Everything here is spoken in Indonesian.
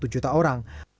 satu juta orang